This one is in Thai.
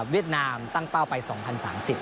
เวียดนามตั้งต้องไปปี๒๐๓๐